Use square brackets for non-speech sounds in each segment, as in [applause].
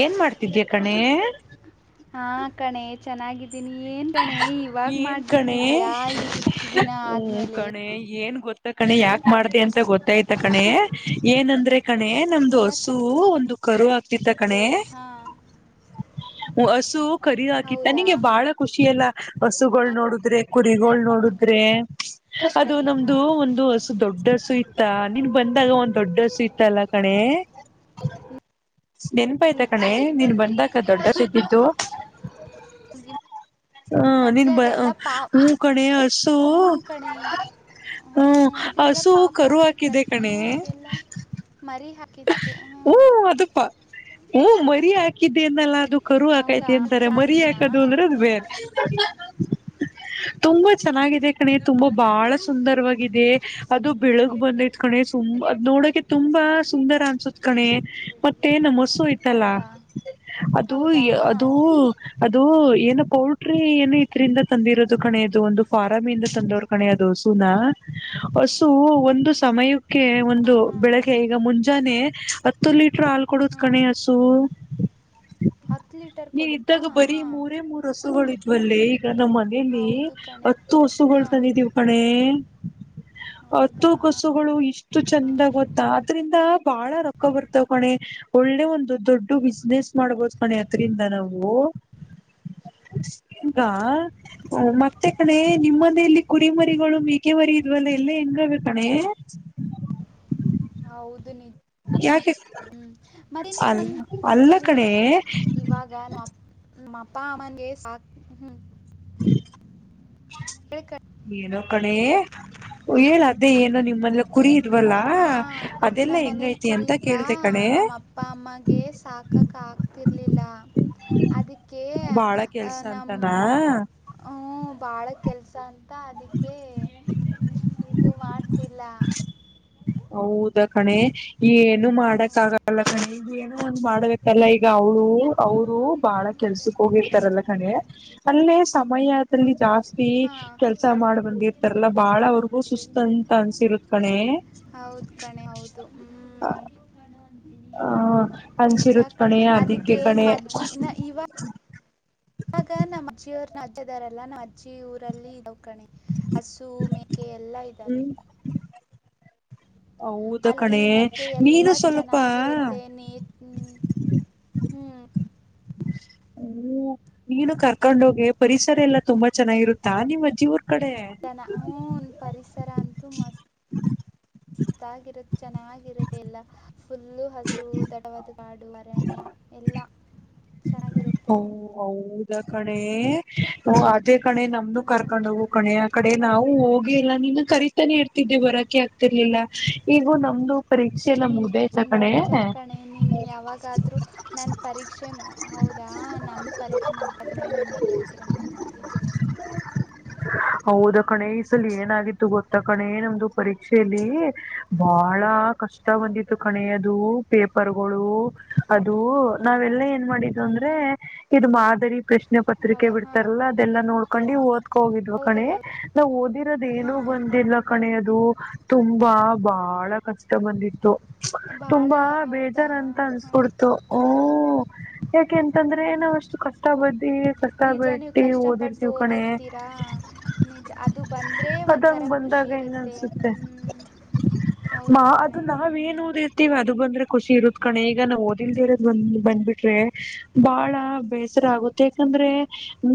ಏನ್ ಮಾಡ್ತಿದ್ದೆ ಕಣೆ ಹಾ ಕಣೆ ಚೆನ್ನಾಗಿದ್ದೀನಿ ಏನ್ ಕಣೆ ಇವಾಗ ಏನ್ ಕಣೆ ಮಾಡ್ಬಿಟ್ಟಿದ್ಯಾ ಇಷ್ಟು ದಿನ ಹ್ಮ ಆದ್ಮೇಲೆ ಕಣೆ ಏನ್ ಗೊತ್ತ.. ಗೊತ್ತ ಕಣೆ ಯಾಕ ಮಾಡ್ದ ಅಂತ ಗೊತ್ತಾಯ್ತ ಕಣೆ ಏನಂದ್ರೆ ಕಣೆ ನಮ್ದು ಹಸು ಒಂದು.. ಕರು ಹಾಕ್ತಿತ್ತ ಕಣೆ ಹೇಳಳ್ ಹ. ಹಸು ಖರೀದ ಹಾಕಿತ್ತನಿಗೆ ಬಾಳ.. ಖುಷಿಯ ಎಲ್ಲ ಹಸುಗಳು ನೋಡುದ್ರೆ ಕುರಿಗಳಗಳು ನೋಡುದ್ರೆ.. ಅದು ಕಣೆ ಹಾ ನಮ್ದು ಒಂದು ಹಸು ದೊಡ್ಡ ಹಸು ಇತ್ತ ನೀನ್ ಬಂದಾಗ ಒಂದ್ ದೊಡ್ಡ ಹಸು ಇತ್ತ ಅಲ್ಲ ಕಣೆ.. ಹ.. ನೆನ್ಪಾಯಯ್ತ ನಿಜ ಕಣೆ ನೀನ್ ಕಣೆ ಬಂದಕ ದೊಡ್ಡದ ಇದ್ದಿದ್ದು.. ಗಿ- ಹಾ ನೀನ್ ಬ ಹೂ ಕಣೆಯ.. ಹ ಕಡೆ.. ಹ್ಮ ಹಸು ಕರು ಹಾಕಿದೆ ಕಣೆ.. ಕಂತು ಹ.. ಹಓ ಮರಿ ಹಾಕಿದ್ದೆನಲ್ಲ ಅದು ಕರು ಹೌದಾ ಹಾಕೈತಿ ಅಂತಾರೆ ಮರಿ ಚೆನ್ನಾಗಿದ್ದೀನಾ ಹಾಕದು ಅಂದ್ರದು ಬೇರೆ.. ತುಂಬತ್ ಚೆನ್ನಾಗಿದೆ ಕಣೆ ತುಂಬಾ ಬಹಳ ಸುಂದರವಾಗಿದೆ ಅದು ಬೆಳಗ್ ಬಂದೈ ಕಣೆ ತುಂಬ ಅದ ನೋ.. ಹುಡಕ ತುಂಬಾ ಸುಂದರ ಅನ್ಸುತ್ ಕಣೆ ಮತ್ತೆ ನ ಮಸ್ಸು ಐತಲ್ಲ.. ಹೌದಾ ಅದು ಹೌದಾ ಹಾಂ ಅದುೂ ಅದು ಏನಪ್ಪ.. ಪೌಲ್ಟ್ರಿ ಏನು ಇದರಿಂದ ತಂದಿರೋದು ಕಣೆಯದು ಒಂದು ಪಾರಂ ಇಂದ ತಂದೋರು ಕಣೆಯೋದು ಸುನಾ.. ಒಂದು ಸಮಯಕ್ಕೆ ಒಂದು ಹಾಂ ಬೆಳಗ್ಗೆ ಈಗ ಮುಂಚೆ.. ಹತ್ತು ಲೀಟರ್ ಹಾಲ್ ಕೊಡುದು ಹಾಂ ಕಣಸು.. ಹತ್ತು ಲೀಟರ್ ನೀನ್ ಕೊಡುತ್ತಾ ಇದ್ದಾಗ ಬರೀ ಹಾಂ ಮೂರೇ ಮೂರ್ ಹಸುಗಳ ಇದ್ವಲ್ಲೇ ಈಗ.. ಈಗ ನಮ್ಮ್ ಮನೇಲಿ ಹೌದು ಕಣೆ ಹತ್ತು ಹಸುಗಳು ಹಾಂ ತಾನಿದ್ದೀವಿ ಕಣೆ.. ಹತ್ತು ಹೌದಾ ಕಸುಗಳು ಇಷ್ಟು ಚಂದ ಗೊತ್ತ ಆದ್ರಿಂದ.. ಬಹಳ ರೊಕ್ಕ ಬರ್ತಾವ್ ಕಣೆ ಒಳ್ಳೆ ಒಂದು ದೊಡ್ಡ ಬಿಸ್ನೆಸ್ ಮಾಡ್ಬೋದ್ ಕಣೆ ಅದ್ರಿಂದ ನಾವು.. ಹಂಗ ಮತ್ತೆ ಕಡೆ ನಿಮ್ಮನೇಯಲ್ಲಿ ಕುರಿಮರಿಗಳು ಮೇಕೆ ಮರಿ ಇದ್ವಲ್ಲ ಎಲ್ಲ ಹೆಂಗ.. ಇರ್ತವೆ ಕಣೆ.. ಹೌದು ನಿ.. ಯಾಕೆ ಮರೀ ನೀವು ಅಲ್ ಒಂದ ಅಲ್ಲ ಮನೆಯಲ್ಲಿ ಕಣೆ ಇದ್ದು ಇವಾಗ ನಾ.. ನಮ್ಮ ಅಪ್ಪ ಅಮ್ಮನ್ಗೆ ಸಾಕ್ ಹ್ಮ್.. ಹ್ಮ. ಎಕ.. ಏನೋ ಕಡೆ ಹೇಳ ಅದೇ ಏನೋ ನಿಮ್ಮಲ್ಲ ಕುರಿ. ಇದ್ವಲ್ಲ ಹ ಅದೆಲ್ಲಾ ನಮ್ಮ್ ಮನೇಲ್ ಹೆಂಗೈತಿ ಅಂತ ಕುರಿದ್ವಾ ಕೇಳ್ದ ಕಣೆ ನಮ್ಮ್ ಅಪ್ಪ ಅಮ್ಮಗೆ ಸಾಕಕ್.. ರ್ಲಿಲ್ಲ ಅದಕ್ಕೆ ಬಾಳ ಅ ಕೆಲ್ಸ ನಮ ಅಂತನಾ ಹ.. ಭಾಳ ಕೆಲಸ ಅಂತ ಅದಕ್ಕೆ ಇದು ಮಾಡ್ತಿಲ್ಲ.. ಹೌದ ಕಣೆ ಏನು ಮಾಡಕ್ ಆಗಲ್ಲ ಕಣೆಏನು.. ಮಾಡ್ಬೇಕಲ್ಲ ಈಗ ಅವ್ಳು ಅವರು ಬಾಳ ಕೆಲ್ಸಕ್ ಹೋಗಿರ್ತಾರಲ್ಲ ಕಣೆ ಅೇ ಸಮಯ್ರದಲ್ಲಿ ಜಾಸ್ತಿ ತಿ ಹಾಂ ಕೆಲ್ಸ ಮಾಡ್ ಬಂದಿರ್ತಾರಲ್ಲಾ ಬಾಳ ಅವ್ರಿಗೂ ಸುಸ್ತ ಅಂತ ಅನ್ಸಿರುತ್ ಕಣೆ ಹೌದು ಕಣೆ ಹೌದು ಹ್ ಹ ಹಂಚಿರುದ ಕಣೆ ಅದಿಕ್ಕೆ ಕಣೆ ಆಗ ನಮ್ಮ್ಜ್ಜಿಯವ ಅಜ್ಜದಾರಲ್ಲಾ ನಮ್ಮ್ ಅಜ್ಜಿ ಊರಲ್ಲಿ ನಕಣೆ ಹಸು ಮೇ ಕೆ ಎಲ್ಲಾ ಇದ್ದಾವೆ ಹ್ಮ್ ಹೌದ ಅಲ್ಲಿ ಕಣೆ ಮತ್ತೆ ಎಲ್ಲ ನೀನು ಸ್ವಲ್ಪ ಚೆನ್ನಾಗಿರುತ್ತೆ ನೀ ಹ್ಮ್ ಹ್ಮ ನೀನು ಕರ್ಕೊಂಡ್ ಹೋಗಿ ಪರಿಸರ ಎಲ್ಲಾ ತುಂಬಾ ಚೆನ್ನಾಗಿರುತ್ತಾ ನಿಮ್ಮಜ್ಜಿವರ್ ತನ ಒನ್ ಪರಿಸರ ಅಂತೂ ಮಸ್ತ್ ಹ ಅತಾಗಿರದು ಚೆನ್ನಾಗಿರದೆ ಎಲ್ಲ ಫುಲ್ಲು ಹಜರು ದಡವಾದ ಗಾಡು ಅರಣ್ಯ ಎಲ್ಲ [unintelligible] ಚೆನ್ನಾಗಿರುತ್ತೆ ಓ ಹೌದ ಕಣೆ ಅದೇ ಕಣೆ ನಮ್ದ ಕರ್ಕೊಂಡ ಹೋಗು ಹ್ಮ್ ಕಣೆ ಆ ಕಡೆ ಕ ನಾವು ಹೋಗಿ ಎಲ್ಲ ನೀನ್ನ ಕರಿತಾನೆ ಇರ್ತಿದ್ದೆ ಬರೋಕೆ ಆಗ್ತಿರ್ಲಿಲ್ಲ ಈಗೂ ನಮ್ದು ಪರೀಕ್ಷೆ ಎಲ್ಲ ನಿನ್ ಮುಗ್ದಯ್ತ ಕಣೆ ನಿಜ ಕಣೆ ನೀನ್ ಯಾವಾಗಾದ್ರೂ ನನ್ ಪರೀಕ್ಷೆ ಹೌದಾ ಹ ನಮು ಪರೀಕ್ಷೆ ಮುಗದ್ಮೇಲೆ ನೀನ್ ಬರುವ ಅಂತಿರಣಿ ನಮ್ಮಿ ಹೌದ ಕಣೇಸಲಿ ಏನಾಗಿತ್ತು ಗೊತ್ತ ಕಣೆ ನಮ್ದು ಪರೀಕ್ಷೆಯಲ್ಲಿ ಬಹಳ ಕಷ್ಟ ಹಾಂ ಬಂದಿತ್ತು ಕಣೆ ಅದು ಪೇಪರ್ಗಳು ಅದು ನಾವೆಲ್ಲ ಏನ್ ಮಾಡಿದು ಅಂದ್ರೆ ಇದು ಮಾದರಿ ಪ್ರಶ್ನೆ ಪತ್ರಿಕೆ ಹೌದಾ ಹಾಂ ಬಿಡ್ತಾರಲ್ಲ ಅದೆಲ್ಲಾ ನೋಡ್ಕೊಂಡು ಓದ್ಕ ಹೋಗಿದ್ವ ಹೌದು ಕಣೆ ಹೌದು ನಾವ್ ಓದಿರೋದ ಏನು ಹಾಂ ಬಂದಿಲ್ಲ ಕಣೆದು ತುಂಬಾ ಬಾಳ ಕಷ್ಟ ಬಂದಿತ್ತು ಭಾಳ ತುಂಬಾ ಹೌದಾ ಬೇಜಾರ ಅಂತ ಹಾಂ ಅನ್ಸ್ಕೊಡ್ತು ಹಓ ಯಕಂತಂದ್ರೆ ಹ್ಮ್. ನಾವ್ ಅಷ್ಟು ಕಷ್ಟ ಬದ್ದಿ ಕಷ್ಟ ನಿಜ ನೀವು ಬಿಟ್ಟಿ ಓದಿರ್ತೀವ್ ಕಣೆ ನಿಜ್ ಅದು ಬಂದ್ರೆ ಒಂಥರ ಅದಂಗ್ ಖುಷಿ ಬಂದಾಗ ಹೆಂಗ ಇರುತ್ತೆ ಅನ್ಸುತ್ತೆ ಹ್ಮ್ ಮಾ ಅದು ನಾವ ಏನ್ ಓದ ಇರ್ತಿೀವಿ ಅದು ಬಂದ್ರೆ ಖುಷಿ ಇರುತ್ತ ಕಣ ಈಗ ನಾ್ ಓದಿಲ್ದೇ ಇರೋದು ಬಂದ್ ಬಂದ್ಬಿಟ್ರೆ ಬಾಳ ಬೇಸರ ಆಗುತ್ತೆ ಯಾಕಂದ್ರೆ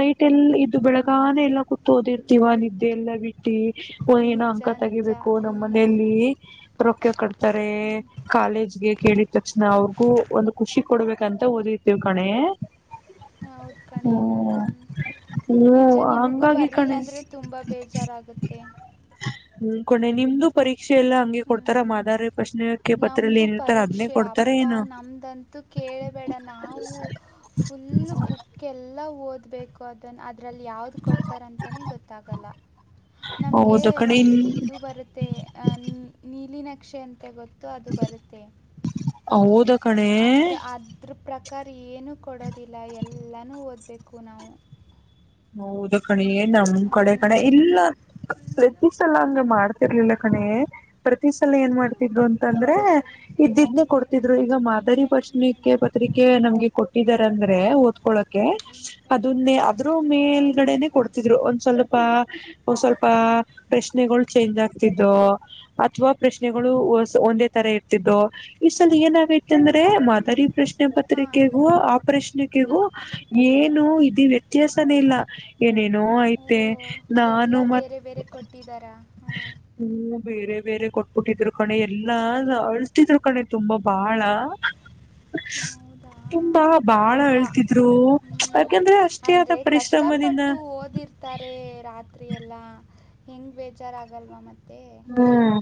ನೈಟ್ ಎಲ್ ಇದು ಬೆಳಗಾನೇ ಎಲ್ಲ ಕೂತ್ ದಿರ್ತಿ ಶಿವ ನಿದ್ದೆ ಎಲ್ಲ ಬಿಟ್ಟು ಏನ ನಿಜ ಅಂಕ ನಿಜ ತಗಿಬೇಕು ಹ್ಞೂ ನಮ್ಮ ಮನೆಯಲ್ಲಿ ರೊಕ್ಕ ಕಡ್ತಾರೆ ಹ್ಞೂ ಕಾಲೇಜ್ ಗೆ ಕೇಳಿದ ತಕ್ಷಣ ಅವ್ರಿಗೂ ಒಂದು ಖುಷಿ ಕೊಡ್ಬೇಕಂತ ಓದತೇವಿ ಕಣೆ ಹೌದ್ ಕಣೆ ಹ್ಮ್ ನಿಜ ಹ್ಮ್ ನಿಮಗೂ ಹಂಗಾಗಿ ಕಣೆ ಬರಲಿಲ್ಲಂದ್ರೆ ತುಂಬಾ ಬೇಜಾರಾಗುತ್ತೆ ಹ್ಮ ಕೊಂಡೆ ನಿಮ್ದು ಪರೀಕ್ಷೆ ಎಲ್ಲಾ ಹಂಗೆ ಕೊಡ್ತಾರ ಮಾದರಿ ನಮ್ದು ಪರೀಕ್ಷೆ ಅಪ್ಪಾ ಏನು ನಮ್ದಂತೂ ಕೇಳಬೇಡ ನಾವು ಫುಲ್ ಬುಕ್ ಎಲ್ಲ ಓದಬೇಕು ಅದ ಅದರಲ್ಲಿ ಯಾವ್ದು ಕೊಡ್ತಾರಂತನೇ ಗೊತ್ತಾಗಲ್ಲ ನಮ್ಗೆ ಹೌದ ಕಣೆ ಒಂದ್ ಇದು ಬರುತ್ತೆ ಅಹ ನೀಲಿನ ಪಕ್ಷೆಯ ಅಂತೆ ಗೊತ್ತು ಅದು ಬರುತ್ತೆ ಹ ಹೌದ ಕಣೆ ಅದ್ರ ಅದ್ರ ಪ್ರಕಾರ ಏನು ಕೊಡೋದಿಲ್ಲ ಎಲ್ಲಾನೂ ಓದ್ಬೇಕು ಕನವು ಹೌದಣಿ ನಮ್ ಕಡೆ ಕಣ ಇಲ್ಲ ಪ್ರತಿ ಸಲ ಹಂ ಮಾಡ್ತಿರ್ಲಿಲ್ಲ ಕಣೇ ಪ್ರತಿ ಸಲ ಏನ್ ಮಾಡ್ತಿದ್ರು ಅಂತಂದ್ರೆ ಇದಿದ್ನ ಕೊಡ್ತಿದ್ರು ಈಗ ಮಾದರಿ ಪ್ರಶ್ನ ಪತ್ರಿಕೆ ಟ್ಟಂದ್ರೆ ಓದ್ ಅ ಹಾಂ ಮೇಲ್ಗಡೆನೆ ಕೊಡ್ತಿದ್ರು ಒ ಸ್ವಲ್ಪ ಸ್ವಲ್ಪ ಪ್ರಶ್ನೆಗಳು ಚೇಂಜ್ ಆಗ್ತಿದ್ದೋ ಅಥವಾ ಪ್ರಶ್ನೆಗಳು ಹೌದು ಒಂದೇ ತರ ಇರ್ತಿದ್ದೋ ಈ ಸಲ ಏನಾಗೈತಿ ಅಂದ್ರೆ ಮಾದರಿ ಪ್ರಶ್ನೆ ಪ್ರ ಹಾಂ ಪತ್ರಿಕೆಗೂ ಆಪರೇಷನಗೂ ಏನು ಇ ವ್ಯ ವ್ಯತ್ಯಾಸನ ಇಲ್ಲ ಏನೇನೋ ಓ ಆಐ್ತೆ ಎಲ್ಲ ನಾನು ಮತ್ ಬೇರೆ ಬೇರೆ ಕೊಟ್ಟಿದ್ದಾರಾ ಹಾಂ ಹ್ಮ್ ಬೇರೆ ಬೇರೆ ಕೊಟ್ಟ ಹುಟ್ಟಿದರು ಕಣೆ ಎಲ್ಲಾ ಅಳ್ಸಿದ್ರು ಕಣೆ ತುಂಬಾ ಬಾಳ ಹೌದಾ ತುಂಬಾ ಬಾಳ ಪಾಪ ಅಳ್ತಿದ್ರು ಯಾಕಂದ್ರೆ ಅಷ್ಟ ಆದರೆ ಕಷ್ಟಪಟ್ಟು ಓದಿರ್ತಾರೆ ರಾತ್ರಿ ಎಲ್ಲ ಹೆಂಗ್ ಬೇಜಾರ್ ಆಗಲ್ವಾ ಮತ್ತೆ ಹ್ಮ್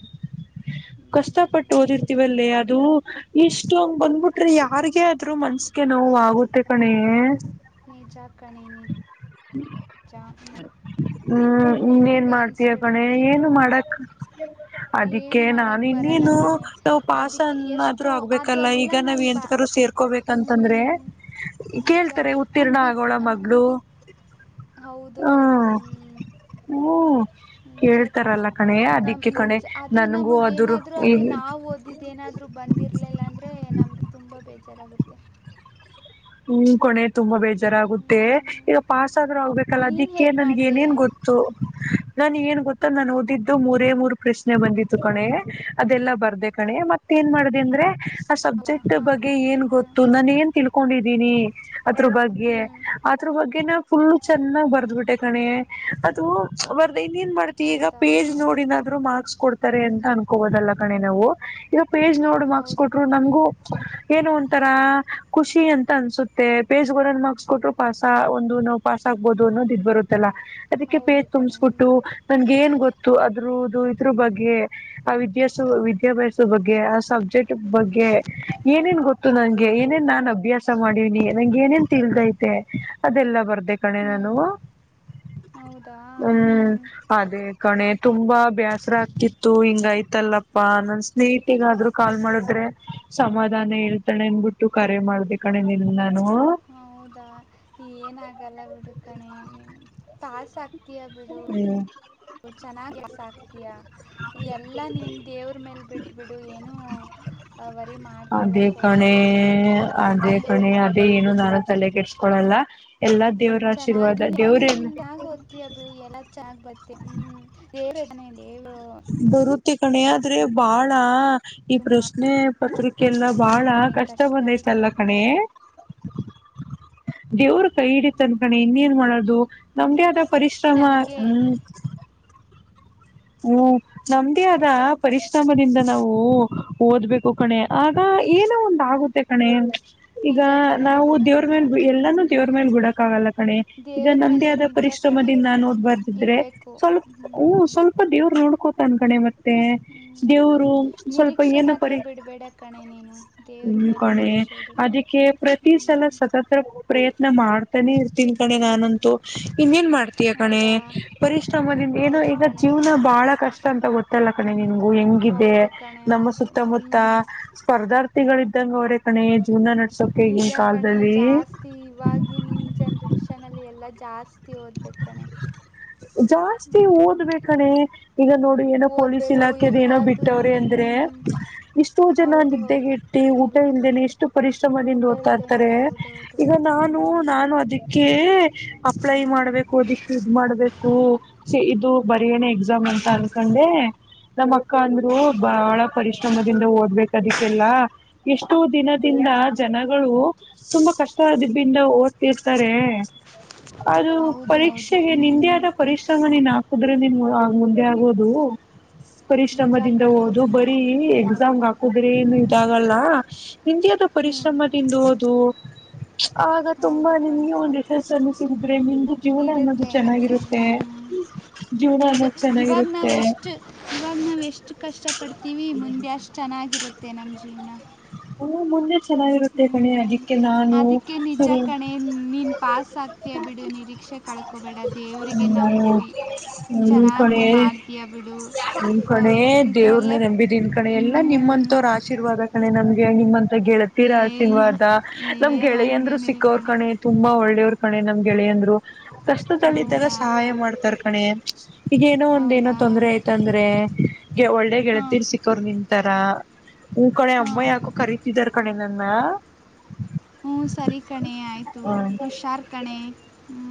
ಹ್ಮ್, ಕಷ್ಟಪಟ್ಟು ಓದಿರ್ತಿೀವಲ್ಲೇ ಅದು ಇಷ್ಟು ಹಂಗ್ ಬಂದ್ಬಿಟ್ರೆ ಯಾರ್ಗ ಆದ್ರು ಮನ್ಸಗೆ ನೋವು ಆಗುತ್ತೆ ಕಣ ಜಾ ಕಣಿನ ಹ್ಮ್ ಇನ್ನ ಏನ್ ಮಾಡ್ತಯ ಗಣೆ ಅನಿಸ್ಬಿಡುತ್ತೆ ಏನು ಮಾಡಕ್ ಅದಿಕ್ಕೆ ಏನು ನಾನ ಮಾಡೋಕ್ಕೆ ಬರಲ್ಲ ಇನ್ನೇನು ಕಣೆ ನಾ್ ಅದಕ್ಕೆ ಎಷ್ಟು ಪಾಸನ್ನಾದ್ರು ಅದು ಆಗ್ಬೇಕಲ್ಲ ಎಲ್ಲ ಈಗ ನಾವ್ ಹಂಗೆ ಬಾ ಎಂತ ಕ ಹ್ಞೂ ಸೇರ್ಕೋಬೇಕಂತಂದ್ರೆ ನಿಜ ಕೇಳ್ತಾರೆ ಉತ್ತೀರ್ಣ ಹಂಗೆ ಆಗೋಳ ಬಿದ್ದು ಮಗ್ಗಳು ಹೌದು ಹೌದು [unintelligible] ಹ್ಮ ನಿಜ ಕೇಳ್ತಾರಲ್ಲ ಕಣೆ ನಮ್ಮ ಅದಿಕ್ಕೆ ಕಣೆ ನಿಜ ನನ್ಗೂ ಅದರು ವು ಓದಿದ್ದೇಏನಾದ್ರೂ ಬಂದಿರ್ಲಿಲ್ಲ ಅಂದ್ರೆ ನಮ್ಗೆ ತುಂಬಾ ಬೇಜಾರಾಗುತ್ತೆ ಹ್ಮ್ ಕೊನೆ ತುಂಬಾ ಬೇಜಾರಾಗುತ್ತೆ ಹ್ಮ್. ಈಗ ಪಾಸ್ಾದ್ರೂ ಆಗ್ಬೇಕಲ್ಲ ನೀನು ಅದಿಕ್ಕೆ ಹೇಗೆ ನನ್ಗೆ ಮಾಡಿದೆ ಏನೇನ್ ಗೊತ್ತು ನನ್ ನ್ ಗೊ ಮತ್ತ ನಾನು ಓದಿದ್ದು ಮೂರೇ ಮೂರು ಪ್ರಶ್ನೆ ಬಂದಿತ್ತು ಕಣೆ ಅದೆಲ್ಲಾ ಬರ್ದೆ ಕಣೆ ಮತ್ತ ಏನ್ ಮಾಡ ಂದ್ರೆ ಆ ಹಾಂ ಸಬ್ಜೆಕ್ಟ್ ಬಗ್ಗೆ ಏನ್ ಹಾಂ ಗೊತ್ತು ನಾನ ಏನ್ ತಿಳ್ಕೊಂಡಿದೀನಿ ಅದ್ರ ಬಗ್ಗೆ ಹ್ಞೂ ಅದ್ರ ಬಗ್ಗೆನ ಫುಲ್ಲ ಚೆನ್ನಾಗ್ ಬರ್ದ್ಬಿಟ್ಟೆ ಕಣೆ ಬರ್ದ ಇನ್ ಏನ್ ಮಾಡ್ತಿ ಈಗ ಹೌದಾ ಪೇಜ್ ಹಾಂ ನೋಡಿಿನಾದ್ರು ಮಾರ್ಕ್ಸ್ ಕೊಡ್ ಅಂತ ಅನ್ಕೋಬೋದಲ್ಲ ಕಣೆ ನಾವು ಈಗ ಪೇಜ್ ನೋಡು ಮಾರ್ಕ್ಸ್ ಹೌದು ಕೊಟರು ಕಣೆ ಹ್ಞೂ ನಮಗು ಏನು ತರ ಖುಷಿ ಅಂತ ಅನ್ಸುತ್ತೆ ಪೇಜ್ನ್ ಮಾರ್ಕ್ಸ್ ಕೊಟ್ಟರು ಪಸ್ ಒಂದು ನೋವು ಪಾಸ್ ಆಗ್ಬೋದು ಅನ್ನೋದು ಇದದು್ ಬರುತ್ತಲ್ಲಾ ಅದಕ್ಕೆ ಹೌದು ಪೇಜ್ ಕಣೆ ಹ್ಞೂ ತುಂಬಸ್ಬಿಟ್ಟು ನನ್ಗೆ ಏನ್ ಗೊತ್ತು ಅದ್ರದು ಇದ್ರ ಬಗ್ಗೆ ಆ ವಿದ್ಯಾಸ ವಿದ್ಯಾಭ್ಯಾಸ ಬಗ್ಗೆ ಆ ಸಬ್ಜೆಕ್ಟ್ ಬಗ್ಗೆ ಏನೇನ್ ಗೊತ್ತ ನಂಗೆ ಏನೇನ್ ನಾನ್ ಅಭ್ಯಾಸ ಮಾಡೀಿನಿ ನಂಗೆ ಏನೇನ್ ತಿಳಗೈತೆ ಅದೆಲ್ಲ ಬರ್ದ ಅೇ ಕಣ ಹ್ಞೂ ನಾನು ಹೌದಾ ಹ್ಞೂ ಹ್ಮ್ ಅದೇ ಕಣೆ ತುಂಬಾ ಬೇಾಸರ ಆಗ್ತಿತ್ತು ಹಿಂಗ ಆಯ್ತಲ್ಲಪ್ಪಾ ನನ್ ಸ್ನೇಹಿತಗಾದ್ರೂ ಕಾಲ್ ಮಾಡುದ್ರೆ ಸಮಾಧಾನ ಹೇಳ್ತಾನೆ ಅನ್ಬಿಟ್ಟು ಕ ಮಾಡ ಕ ನಿ ಹೌದಾ ಏನಾಗಲ್ಲ ಬಿಡುಕಣೆ ನಿ ಪಾಸ್ ಆತ ಹ್ಮ್ ಚೆನ್ನಾಗ ಆಕ್ತೀಯಾ ಎಲ್ಲಾ ನೀನ್ ದೇವ್ರ ಮೇಲ್ ಬಿಟ್ಟ ಬಿಡು ಏನ ಅದೇ ಕಣೆ ಅದೇ ಹ್ಞೂ ಕಣೆ ಅದೇ ಏನು ನಾನು ತಲೆ ಕೆಿಡ್ಸ್ಕೊಳಲ್ಲ ಚೆನ್ನಾಗ್ ನಿನ್ಾಗ ಹ್ತಯ ಬಿ ಎಲ್ಲ ಚಾಾಗ ಬತ್ತತಿ ಹ್ಮ್ ದೇವ ಇದ ಬರುತ್ತೆ ಕಣೆ ಆದ್ರೆ ಇದು ಬಾಳ ಈ ಪ್ರಶ್ನೆ ಪತ್ರಿಕೆ ಕೆಲ್ಲ ಬಾಳ ಮಾಡ್ತಾನೆ ಕಷ್ಟ ಕಷ್ಟದಲ್ಲಿ ಬಂದೈತಲ್ಲ ಬಿಡು ಕಣೆ ದೇವರು ಕೈ ಹಿಡತ್ತನ್ಕಣೆ ಇನ್ನೇನ್ ಮಾಡೋದು ನಮ್ದೇ ಆದದ ಪರಿಶ್ರಮ ನನಗೆ ಹ್ಮ್ ಹ್ಮ್ ನಮ್ದೇ ಆದ ಪರಿಶ್ರಮದಿಂದ ನಾವು ಓದ್ಬೇಕು ಕಣೆ ಆಗ ಏನೋ ಒಂದ ಆಗುತ್ತೆ ಕಣೆ ಈಗ ನಿಜ ಕಣೆ ನಾವು ಅದೂ ದೇವ್ರ ಮೇ ನಿಜ ಎಲ್ಲಾನು ಹ್ಞೂ ದೇವ್ರ ಮೇಲ್ಲೆ ಗುಡಕ್ ಆಗಲ್ಲ ಕಣೆ ಈಗ ದೇವ್ರ ನಂದ್ದೇ ಮೇಲೆ ಆದ ಪ ನಿಜ ಕಣೆ ಪರಿಶ್ರಮದಿಂದ ಹ್ಞೂ ನ ನೋದ್ಬಾರದಿದ್ರೆ ಇರಬೇಕು ಸ್ವಲ್ಪ ಹ ಹ್ಞೂ ಸ್ವಲ್ಪ ದೇವ್ರು ನೋಡ್ಕೋತಾನ ಕಣೆ ಮತ್ ಮತ್ತೆ ಹ್ಮ್. ದೇವ್ರು ಸ್ವಲ್ಪ ನಿರೀಕ್ಷೆ ಏನ ಮಾತ್ರ ಪರಿ ಬಿಡಬೇಡ ಕಣೆ ನೀನು ದೇವ್ರ ಹ್ಮ ಮೇಲೆ ಕಣೆ ನಿರೀಕ್ಷೆ ಇಡು ಅದಕ್ಕೆ ಪ್ರತಿ ಸಲ ಹ್ಮ್. ಸತ್ತತ ಪ್ರಯತ್ನ ಮಾಡ್ತಾನೆ ತನ್ ಕಣೆ ನಾನಂತು ಇನ್ನ ಏನ್ ಮಾಡ್ತೀಯ ಕಣೆ ಹೌದಾ ಪರಿಶ್ರಮದಿಂದ ಏನೋ ಹೌದು ಈಗ ಕಣೆ ಜೀವನ ಬಹಳ ಕಷ್ಟ ಅಂತ ಗೊತ್ತಲ್ಲ ಕ ನಿಗು ಹೆಂಗಿದೆ ಹೌದು ಕಣೆ ನಮ್ಮ ಹೌದು ಸುತ್ತಮುತ್ತ ಹ್ಮ್. ಸ್ಪರ್ಧಾರ್ಥಿಗಳ ಗ ಅವರ ಕಣ ಜೀವನ ನ ನಿಜ ಕಣೆ ಜಾಸ್ತಿ ಇವಾಗಿನ ಜನ್ರೇಷನ್ಲ್ಲಿ ಎಲ್ಲ ಜಾಸ್ತಿ ಹೋ ಜಾಸ್ತಿ ಹ್ಮ್. ಓದ್ಬೇಕ ಕಣೆ ಈಗ ನೋಡು ಏನೋ ಪೊಲೀಸ್ ಓದಬೇಕು ಇಲಾಖೆದ ಏನೋ ಎಲ್ಲದೂ ಬಿಟ್ಟವ್ರೆ ಅಂದ್ರೆ ಹ್ಮ್. ಇಷ್ಟೋ ಜನ ಹೌದು ನಿದ್ದೆಗೆ ಹೌದು ಇಟ್ಟ ಊಟ ಎಲ್ ಇಲ್ಲೇನೆ ಎಷ್ಟು ಪರಿಶ್ರಮದಿಂದ ಊಟ ಓದ್ತಾ ಇಲ್ದೇನೆ ಇರ್ತಾರೆ ಹೌದೌದು ಈಗ ನಾನು ಹ್ಮ್. ನಾನು ಅದಕ್ಕೆ ಅಪ್ಲೈ ಮಾಡ್ಬೇಕು ದಿ ಇದ ಮಾಡ್ಬೇಕು ಇದು ಬರಿಣ ಎಕ್ಸಾಮ್ ಅಂತ ಅನ್ಕೊಂಡೆ ನಮ್ಮ ಅಕ್ಕಂದ್ರು ಹೌದಾ ಬಹಳ ಹಾಂ ಪರಿಶ್ರಮದಿಂದ ಓದಬೇಕ ಅದಕ್ಕೆಲ್ಲ ಎಷ್ಟ ಹಷ್ಟು ದಿನದಿಂದ ಹಾಂ ಜನಗಳು ತುಂಬಾ ಕಷ್ಟ ಆದದಿಂದ ಓದ್ತಿರ್ತಾರೆ ಅದು ಹೌದು ಹೌದು ಪರೀಕ್ಷೆಗೆ ನಿಂದೆ ಹ್ಮ್. ಆದ ಪರಿಶ್ರಮ ನೀನ್ ಹಾಕುದ್ರೆ ನೀನ್ ಮುಂದೆ ಆಗೋದು ನಿಜ ಪರಿಶ್ರಮದಿಂದ ಕಣೆ ಓದು ಹ್ಞೂ ಬರೀ ಎಕ್ಸಾಮ್ಗೆ ಹಾಕುದ್ರೆ ಹ್ಞೂ ಏನು ಇದಾಗಲ್ಲ ಹ ಹ್ಞೂ ಪರಿಶ್ರಮದಿಂದ ಹಓದು ಆಗ ತುಂಬಾ ಹೌದು ಕಣೆ ನಿಮಗೆ ಒಂದು ಯಶಸ್ಸನ್ನು ಸಿಕ್ಕಿದ್ರೆ ಕೂಡ ಅನ್ನೋದು ಇರುತ್ತೆ ಇರುತ್ತೆ ಚೆನ್ನಾಗಿರುತ್ತೆ ಹ್ಞೂ ಜೀವನ ನಿಜ ಅನ್ನೋದು ಇವಾಗ ನಾವ ಚೆನ್ನಾಗಿರುತ್ತೆ ಎಷ್ಟು ಇವಾಗ ನಾವ ಎಷ್ಟು ಕಷ್ಟಪಡ್ತೀವಿ ಮುಂದೆ ಅಷ್ಟು ಚೆನ್ನಾಗಿರುತ್ತೆ ನಮ್ಮ ಜೀವನ ಹೌದು ಹ್ಮ್ ನಾನು ಅದಕ್ಕೆ ನಿಜ ಸರಿ ಕಣೆ ನೀನ್ ಪಾಸ್ ಆಗ್ತೀಯ ಬಿಡು ನಿರೀಕ್ಷಕ ಕಳ್ಕೊಬೇಡ ದೇವರಿಗೆ ನಂಬು ಹ್ಮ್ ಚೆನ್ನಾಗಿ ಮಾಡ್ತೀಯ ಬಿಡು ನಿನ್ ಕಣೇ ದೇವ್ರನೆೇ ಇದರಲ್ಲೇ ನಂಬಿದ ನಿನ್ ಕಣೆ ಎಲ್ಲಾ ನಿಮ್ಮಂತವ್ರ ಆಶೀರ್ವಾದ ಕಣೆ ನಮ್ಗೆ ನಿಮ್ಮಂತ ಗೆಳತೀರ ಏ ಆಸೀನ್ವಾದ ಏ ನಮ್ ಗೆಳೆಯಂದ್ರು ಹಾಗೇನಿಲ್ಲ ಸಿಕ್ಕವ್ರ ಕಣೆ ತುಂಬಾ ಒಳ್ಳೇವ್ರ ಕಣೆ ನಮ್ ಗೆಳೆಯಂದ್ರು ಕಷ್ಟತದದಲ್ಲಿ ಇದಿದ್ದಾಗ ಹೌದಾ ಸಹಾಯ ಮಾಡ್ತಾರ್ ಕಣೆ ಈಗ ಏನೋ ಒಂದ ಏನೋ ಹೌದಾ ತೊಂದ್ರೆ ಆಯ್ತಂದ್ರೆ ಒಳ್ಳೇ ಹಾಂ ಗೆಳತಿರ್ ಸಿಕ್ಕೋರ್ ನಿನ್ಂತಾರ ಹ್ಮ ಕಣೆ ಅಮ್ಮ ಹಾಂ ಯಾಕೋ ಕರೀತಿದಾರ ಕಣೆ ನನ್ನ ಹ್ಮ ಸರಿ ಕಣೆ ಆಯ್ತು ಹ್ಮ ಹುಷಾರ್ ಕಣೆ ಹ